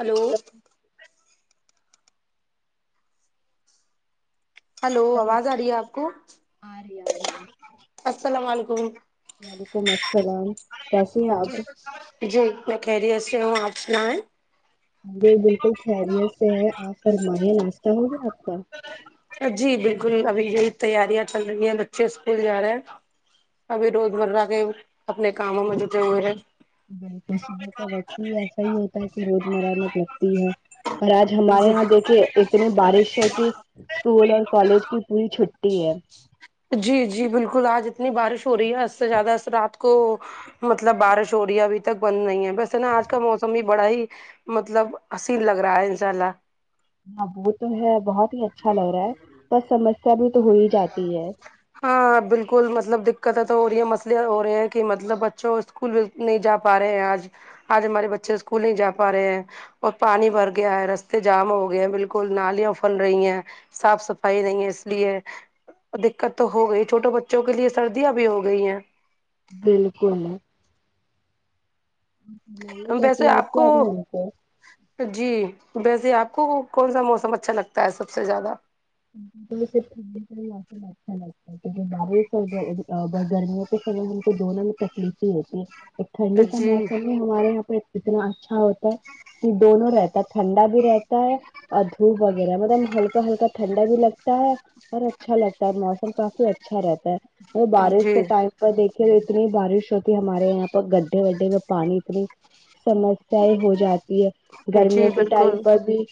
hello hello آواز آ رہی ہے آپ کو آرہی آرہی ہے السلام علیکم وعلیکم السلام کیسے ہیں آپ جی میں خیریت سے ہوں آپ سنائیں جی بالکل خیریت سے ہے آپ فرمایا ناشتہ ہوگیا آپ کا جی بالکل ابھی یہ ہی تیاریاں چل رہی ہیں بچے اسکول جا رہے ہیں ابھی روز مرہ کے اپنے کاموں میں جھکے ہوئے ہے بالکل صبح کا وقت بھی ایسا ہی ہوتا ہے کہ روزمرہ میں لگتی ہے اور آج ہمارے جی یہاں دیکھے اتنی بارش ہے کہ اسکول اور کالج کی پوری چھ ٹی ہے جی جی بالکل آج اتنی بارش ہو رہی ہے حد سے زیادہ اس رات کو مطلب بارش ہو رہی ہے ابھی تک بند نہیں ہے ویسے نا آج کا موسم بھی بڑا ہی مطلب حسین لگ رہا ہے انشاء اللہ ہاں وہ تو ہے بہت ہی اچھا لگ رہا ہے پر سمسیا بھی تو ہو ہی جاتی ہے ہاں بالکل مطلب دقتیں تو ہو رہی ہے مسلے ہو رہے ہیں کہ مطلب بچوں اسکول نہیں جا پا رہے ہیں آج آج ہمارے بچے اسکول نہیں جا پا رہے ہیں اور پانی بھر گیا ہے رستے جام ہو گئے ہیں بالکل نالیاں افل رہی ہیں صاف صفائی نہیں ہے اس لیے دقت تو ہو گئی چھوٹے بچوں کے لیے سردیاں بھی ہو گئی ہیں بالکل آ فرمائیے ویسے کیسی آپ یاد کو کیا نے ہم کو جی ویسے آپ کو کون سا موسم اچھا لگتا ہے سب سے زیادہ [unintelligible] اچھا لگتا ہے کہونکہ بار ش گرمی ہے سے ہم کو دونوں میں تکلیف ہی ہوتی ہے ایک ٹھنڈی کا جی موسم ہی ہمیں ہمارے یہاں پہ اتنا اچھا ہوتا ہے کہ دونوں رہتا ہے ٹھنڈا بھی رہتا ہے اور دھوپ وغیرہ مطلب ہلکا ہلکا ٹھنڈا بھی لگتا ہے اور اچھا لگتا ہے موسم کافی اچھا رہتا ہے وہ بارش جی کے ٹائم دیکھیے اتنی بارش ہوتی ہے ہمارے یہاں پر گڈھے وڈھے میں پانی اتنی سم سیی ہو جاتی ہے جی گرمیوں کے ٹائم بالکل پر بھی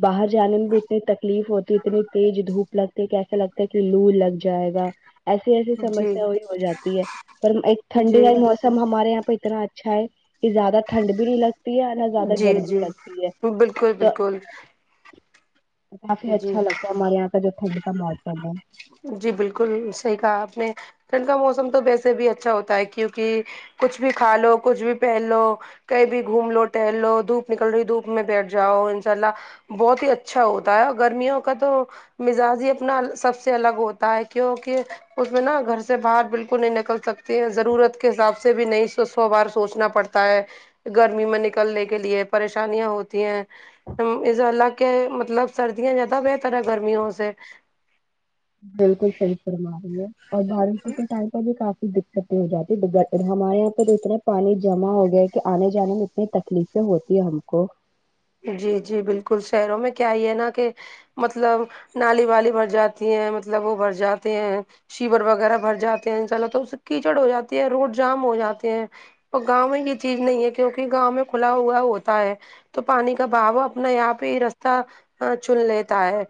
باہر جانے میں بھی اتنی تکلیف ہوتی اتنی تیز دھوپ لگتی ہے کہ ایسا لگتا ہے کہ لو لگ جائے گا ایسی ایسی جی سمسیا بھی ہو جاتی ہے پر ایک ٹھنڈی جی کا موسم سم ہمارے یہاں پہ اتنا اچھا ہے کہ زیادہ ٹھنڈ بھی نہیں لگتی ہے نہ زیادہ جی گرمی جی لگتی ہے بالکل تو بالکل کافی جی اچھا لگتا ہے ہمارے یہاں کا جو ٹھنڈ کا موسم ہے جی بالکل صحیح کہا آپ نے ٹھنڈ کا موسم تو ویسے بھی اچھا ہوتا ہے کیونکہ کچھ بھی کھا لو کچھ بھی پہن لو کہیں بھی گھوم لو ٹہل لو دھوپ نکل رہی دھوپ میں بیٹھ جاو انشاء اللہ بہت ہی اچھا ہوتا ہے اور گرمیوں کا تو مزاج ہی اپنا سف سے الگ ہوتا ہے کیونکہ اس میں نا گھر سے باہر بالکل نہیں نکل سکتے ہیں ضرورت کے حساب سے سے بھی نہیں سو سو بار سوچنا پڑتا ہے گرمی میں نکلنے کے لیے پریشانیاں ہوتی ہیں انشاء اللہ کہ مطلب سردیاں زیادہ بہتر ہے گرمیوں سے بالکل صحیح فرما رہی ہے اور بارشوں کے ٹائم بھی کافی دقتیں ہو جاتی ہے ڈباکر ہمارے یہاں پہ تو اتنا پانی جمع ہو گیا کہ آنے جانے میں میں تکلیفیں ہوتی ہے ہم کو جی جی بالکل شہروں میں کیا ہی ہے نا کہ مطلب نالی والی بھر جاتی ہیں مطلب وہ بھر جاتے ہیں شیور وغیرہ بھر جاتے ہیں ان سے چلو تو اس سے کیچڑ ہو جاتی ہے روڈ جام ہو جاتے ہیں تو گاؤں میں یہ چیز نہیں ہے کیوںکہ گاؤں میں کھلا ہوا ہوتا ہے تو پانی کا بھاؤ اپنے آپ ہی رستہ چن لیتا ہے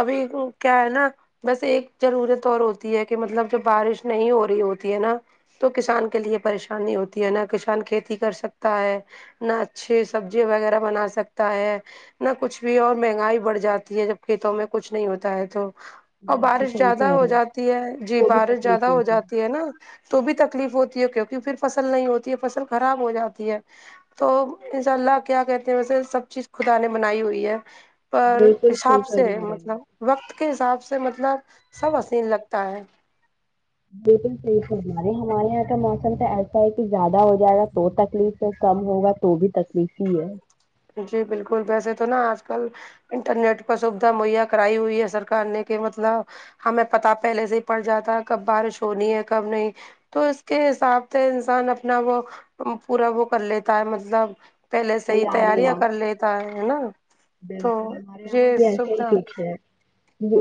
ابھی وہ کیا ہے نا بس ایک ضرورت اور ہوتی ہے کہ مطلب جب بارش نہیں ہو رہی ہوتی ہے نا تو کسان کے لیے پریشانی ہوتی ہے نہ کسان کھیتی کر سکتا ہے نہ اچھی سبزی وغیرہ بنا سکتا ہے نہ کچھ بھی اور مہنگائی بڑھ جاتی ہے جب کھیتوں میں کچھ نہیں ہوتا ہے تو اور میں بھی بارش صحیح زیادہ کہہ ہو رہے ہیں جاتی ہے جی وہ بھی بارش زیادہ تکلیف ہو ہوتی جاتی ہے نا تو بھی تکلیف ہوتی ہے کیونکہ پھر فصل نہیں ہوتی ہے فصل خراب ہو جاتی ہے تو انشاء اللہ کیا کہتے ہیں ویسے سب چیز خدا نے بنائی ہوئی ہے پر بالکل صحیح حساب سے فرما رہی ہیں مطلب وقت کے حساب سے مطلب سب حسین لگتا ہے بالکل صحیح فرما رہے ہے ہمارے یہاں کا موسم تو ایسا ہے کہ زیادہ ہو جائے گا تو تکلیف کم ہوگا تو بھی تکلیف ہی ہے جی بالکل ویسے تو نا آج کل انٹرنیٹ پر سویدھا مہیا کرائی ہوئی ہے سرکار نے کہ مطلب ہمیں پتا پہلے سے ہی پڑ جاتا ہے کب بارش ہونی ہے کب نہیں تو اس کے حساب سے انسان اپنا وہ پورا وہ کر لیتا ہے مطلب پہلے سے ہی تیاریاں کر لیتا ہے ہے نا تو بالکل ہمارے یہاں پر یہ بھی ایسا ہی سویدھا کچھ ہے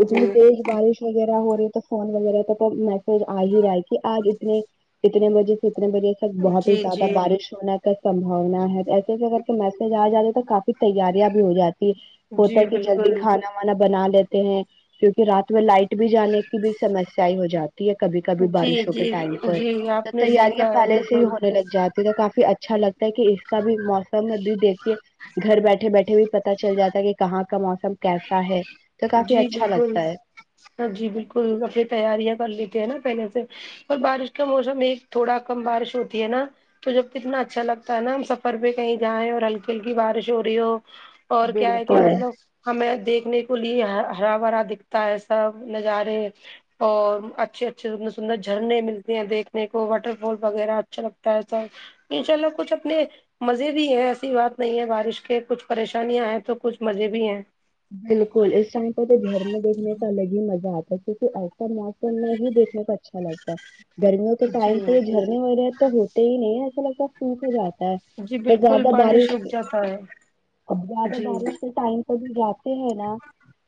اتنی جی تیز بارش وغیرہ ہو رہی تو فون وغیرہ تو تو میسج آ ہی رہا ہے کہ آج اتنے اتنے بجے سے اتنے بجے بہت ہی جی زیادہ جی بارش ہونے کا سمباونا ہے ایسے اگر کے میسج آ جاتے تو کافی تیاری ہو جاتی ہے ہوتا جی ہے کہ جلدی بالکل کھانا وانا بنا لیتے ہیں کیونکہ رات میں لائٹ بھی جانے کی بھی سمسیا ہو جاتی ہے کبھی کبھی جی بارشوں کے جی ٹائم پر جی تو آپ نے صحیح تیاریاں کہا ہے پہلے سے ہی بالکل ہونے لگ جاتی کافی اچھا لگتا ہے کہ اس کا بھی موسم بھی دیکھیے گھر بیٹھے بیٹھے بھی پتا چل جاتا ہے کہ کہاں کا موسم کیسا ہے تو کافی جی اچھا بالکل لگتا ہے ہاں جی بالکل اپنی تیاریاں کر لیتی ہے نا پہلے سے اور بارش کا موسم ایک تھوڑا کم بارش ہوتی ہے نا تو جب کتنا اچھا لگتا ہے نا ہم سفر پہ کہیں جائیں اور ہلکی ہلکی بارش ہو رہی ہو اور کیا ہے کہ بالکل مطلب ہمیں دیکھنے پلی ہرا بھرا دکھتا ہے سب نظارے اور اچھے اچھےر سندر جھرنے ملتے ہیں دیکھنے کو واٹر فال وغیرہ اچھا لگتا ہے سب انشاءاللہ کچھ اپنے مزے بھی ہے ایسی بات نہیں ہے بارش کے کچھ پریشانیاں ہیں تو کچھ مزے بھی ہیں بالکل اس ٹائم پہ تو گھر میں دیکھنے کا الگ ہی مزہ آتا ہے کیونکہ ایسا تو ہی دیکھنے کو اچھا لگتا ہے گرمیوں کے ٹائم جی پہ جھر تو ہوتے ہی نہیں ایسا لگتا ہے سوکھ جاتا جی ہے بالکل زیادہ پانی بارش سوکھ جاتا ہے اب زیادہ جی بارش کے ٹائم کہیں جاتے ہیں نا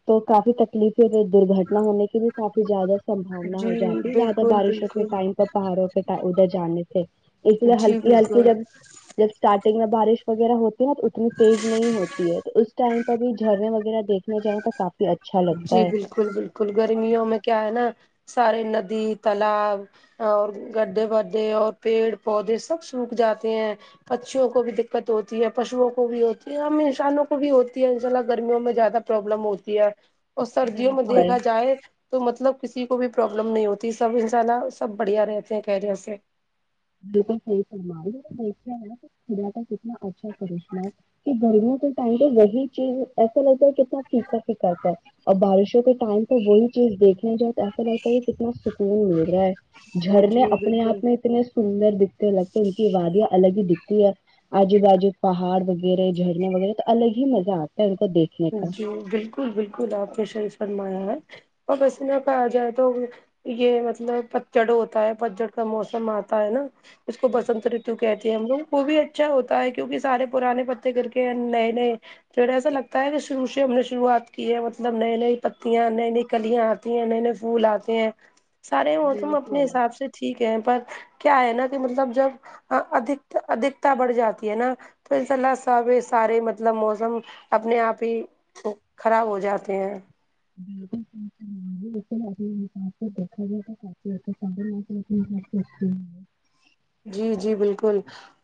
تو کافی تکلیفیں درگٹنا ہونے کی بھی کافی زیادہ سم بھؤنا جی ہو جاتی ہے زیادہ بالکل بارشوں کے بالکل ٹائم پر پہاڑوں کے ادھر جانے سے اس لئے جی ہلکی ہلکی بالکل جب جب اسٹارٹنگ میں بارش وغیرہ ہوتی ہے نا تو اتنی تیز نہیں ہوتی ہے تو اس ٹائم پہ بھی جھرنے وغیرہ دیکھنے جاے تو کافی اچھا لگتا جی ہے بالکل بالکل گرمیوں میں کیا ہے نا سارے ندی تالاب اور گڈھے بڈھے اور پیڑ پودے سب سوکھ جاتے ہیں پچیوں کو بھی دقت ہوتی ہے پشوؤں کو بھی ہوتی ہے ہم انسانوں کو بھی ہوتی ہے ان شاء اللہ گرمیوں میں زیادہ پرابلم ہوتی ہے اور سردیوں میں دیکھا جائے تو مطلب کسی کو بھی پرابلم نہیں ہوتی سب انشاء اللہ سب بڑھیا رہتے ہیں خیریت سے بالکل صحیح فرما رہی ہے اپ [unintelligible] خدا کا کتنا اچھا کرشمہ ہے کہ گرمی کے ٹائم پہ وہی چیز ایسا لگتا ہے کتنا پھیکا پھیکاتا ہے اور بارشوں کے ٹائم پ وہی چیز دیکھنے جاؤ ایسا لگتا ہے کہ کتنا سکون مل رہا ہے جھرنے جی اپنے بالکل آپ میں اتنے سندر دکھتے لگتے ہیں ان کی وادیاں الگ ہی دکھتی ہے آجو باجو پہاڑ وغیرہ جھرنا وغیرہ تو الگ ہی مزہ آتا ہے ان کو دیکھ جی بالکل بالکل آپ نے شریف فرمایا ہے اورپس میں پہ آ جائے تو یہ مطلب پتجڑ ہوتا ہے پتجڑ کا موسم آتا ہے نا اس کو بسنت رتو کہتے ہیں ہم لوگ وہ بھی اچھا ہوتا ہے کیونکہ سارے پرانے پتے گھر کے نئے نئے تھوڑاسا لگتا شروعات کی ہے مطلب نئی نئی پتیاں نئی نئی کلیاں اتی ہیں نئے نئے پھول سارے موسم اپنے حساب سے ٹھیک ہے پر کیا ہے نا کہ مطلب جب ادھک ادھکتا بڑھ جاتی ہے نا تو انسا اللہ سب سارے مطلب موسم اپنے آپ ہی خراب ہو جاتے ہیں اپنے حساب سے دیکھا جائے [inaudible] [unintelligible] جی جی بالکل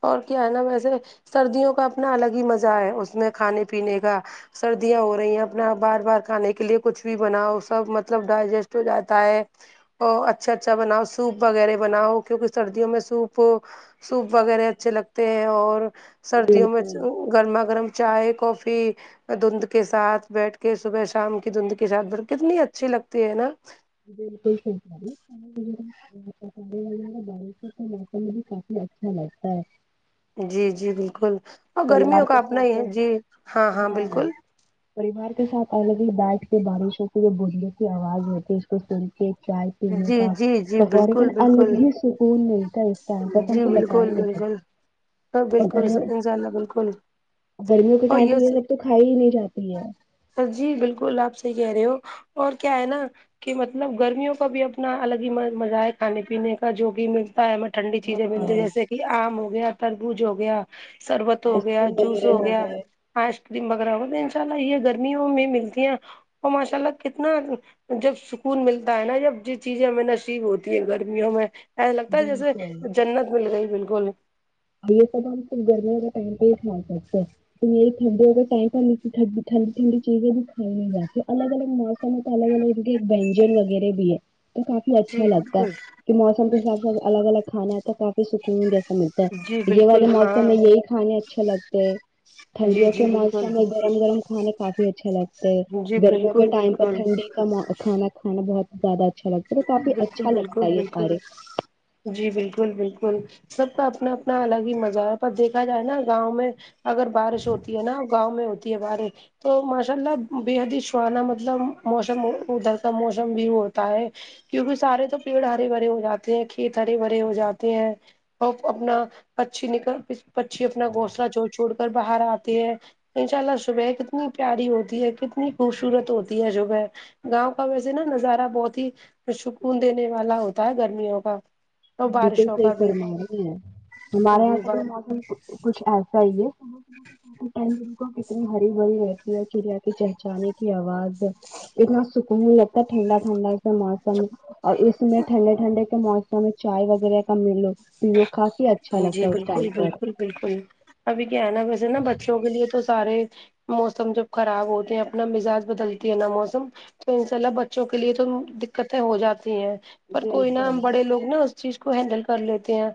اور کیا ہے نا ویسے سردیوں کا اپنا الگ ہی مزہ ہے اس میں کھانے پینے کا سردیاں ہو رہی ہیں اپنا بار بار کھانے کے لیے کچھ بھی بناؤ سب مطلب ڈائجسٹ ہو جاتا ہے ا اچھا اچھا بناؤ سوپ وغیرہ بناؤ کیونکہ سردی میں سوپ سوپ وغیرہ اچھے لگتے ہیں اور سردیوں میں بالکل گرما گرم چائے کافی دھندھ کے ساتھ بیٹھ کے صبح شام کی دھند کے ساتھ بیٹھ کتنی اچھی لگتی ہے نا بالکل [unintelligible] ے والے میں بارشوں کا موسم بھی کافی اچھا لگتا ہے جی جی بالکل اور پریوار گرمیوں کا کے اپنا ہی ساتھ ہے جی ہاں ہاں بالکل پریوار کے ساتھ الگ الگ بیٹ کے بارشوں کی جو بندوں کی آواز ہوتی ہے اس کو سور کے چائے پینے جی کا جی جی پکوڑے بالکل کا الگ بالکل ہی سکون ملتا ہے اس ٹائم پر تو ہم کو بتائیں گے ہاں بالکل ان شاء اللہ بالکل گرمیوں کے ٹائم تو یہ سب تو کھا ہی نہیں جاتی ہے جی بالکل آپ صحی کہہ رہے ہو اور کیا ہے نا کہ مطلب گرمیوں کا بھی اپنا الگ ہی مزہ ہے کھانے پینے کا جو بھی ملتا ہے ہمیں ٹھنڈی چیزیں ملتی ہاں ہے جیسے یہ آم ہو گیا تربوز ہو گیا سربت ہو آئس گیا کریم جوس وغیرہ ہو گیا گئے آئس کریم وغیرہ ہو تو انشاء اللہ یہ گرمیوں میں ملتی ہیں وہ ماشاء اللہ کتنا جب سکون ملتا ہے نا ب ج چیزیں میں نصیب ہوتی ہے گرمیوں میں ایسا لگتا ہے بالکل جیسے جنت مل گئی بالکل یہ سب ہم گرمی وغیرہ ٹائم پ ہی سکتے ہے تو یہ ٹھڈ وغیرہ ٹ س کیٹھی ٹھڈ ٹھنی چیزیں بھی کھائی میں جاس ا الگ الگ موسموں تو الگ الگ ونجن وغیرہ بھی ہے تو کافی جی اچھا لگتا ہے بالکل کہ موسم کے حساب سے الگ الگ کھانا ہے تو کافی سکون رہتا اچھا ملتا ہے جی یہ بالکل والے ہاں موسم میں یہی کھانے اچھے لگتے ہیں جی ٹھنڈیوں کے جی بالکل موسم میں گرم گرم کھانے کافی اچھے لگتے ہیں جی گرمیوں کے بالکل ٹائم پر بالکل ٹھنڈی کا کانا کھانا بہت زیادہ اچھا لگتا ہے تو کافی بالکل اچھا لگتا بالکل ہے یہ بالکل سارے جی بالکل بالکل سب کا اپنا اپنا الگ ہی مزہ ہے پر دیکھا جائے نا گاؤں میں اگر بارش ہوتی ہے نا گاؤں میں ہوتی ہے بارش تو ماشاء اللہ بےحد ہی سہانا مطلب موسم ادھر کا موسم بھی ہوتا ہے کیونکہ سارے تو پیڑ ہرے بھرے ہو جاتے ہیں کھیت ہرے بھرے ہو جاتے ہیں اور اپنا پچھی نکل پچی اپنا گھونسلہ جوڑ چھوڑ کر باہر آتے ہے انشاء اللہ صبح کتنی پیاری ہوتی ہے کتنی خوبصورت ہوتی ہے صبح گاؤں کا ویسے نا نظارہ بہت ہی سکون دینے والا ہوتا ہے گرمیوں کا اور بالکل بارشوں صحیح کا بھی فرما رہے ہیں ہمارے یہاں جی کا ب [unintelligible] موسم کچھ ایسا ہی ہے کتنی ہری بھری ہے چڑیا کی چہچانے کی آواز اتنا سکون لگتا ٹھنڈا ٹھنڈا موسم اور اس میں ٹھنڈے ٹھنڈے کے موسم میں چائے وغیرہ کا ملو پھر وہ کافی اچھا جی لگتا ہے اس ٹائم بالکل پر بالکل بالکل ابھی کیا ہے نا ویسے نا بچوں کے لیے تو سارے موسم جب خراب ہوتے ہیں اپنا مزاج بدلتی ہے نا موسم تو انشاء اللہ بچوں کے لیے تو دقتیں ہو جاتی ہیں پر کوئی نہا ہم بڑے لوگ نا اس چیز کو ہینڈل کر لیتے ہیں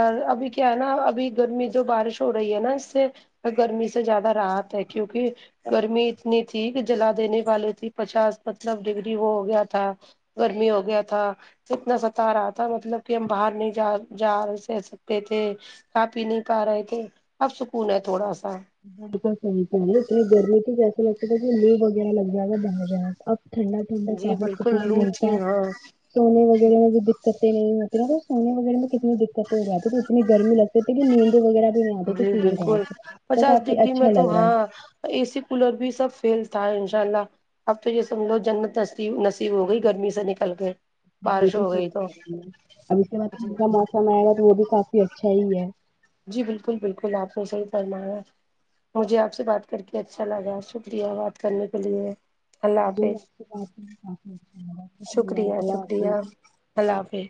اور ابھی کیا ہے نا ابھی گرمی جو بارش ہو رہی ہے نا اس سے گرمی سے زیادہ رات ہے کیونکہ گرمی اتنی تھی کہ جلا دینے والی تھی پچاس مطلب ڈگری وہ ہو گیا تھا گرمی ہو گیا تھا اتنا ستا رہا تھا مطلب کہ ہم باہر نہیں جا جا رہے س سکتے تھے کھا پی نہیں پا رہے تھے اب سکون ہے تھوڑا سا بالکل صحیح کہہ گرمی کیسے لگتی تھ کہ لو وغیرہ لگ جائے گا بن جائےا اب ٹھنڈا اندر جی کافی بالکل سکون لو ملتا تھی ہے ہاں سونے وغیرہ میں بھی دقتیں نہیں ہوتی نا تو سونے وغیرہ میں کتنی دقت ہو جاتی تو اتنی گرمی لگتی تے نیند وغیرہ بھی نہیں آتے تے جی پھر بالکل تو پچاس کافی ڈگری میں اچھا تو لگ رہا ہے ہاں اے سی کولر بھی سب فیل تھا انشاء اللہ اب تو یہ سمجھو جنت ن نصیب ہو گئی گرمی سے نکل کے بارش بالکل ہو صحیح گئی تو کہہ رہی ہے اب اس کے بعد جی ٹھنڈ کا موسم آئے گا تو وہ بھی کافی اچھا ہی ہے جی بالکل بالکل آپ نے صحیح فرمایا مجھے آپ سے بات کر کے اچھا لگا شکریہ بات کرنے کے لیے اللہ مجھے بھی حافظ آپ سے بات کر کے کافی اچھا لگا شکریہ اللہ شکریہ حافظ اللہ حافظ